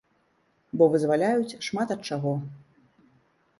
Бо вызваляюць шмат ад чаго.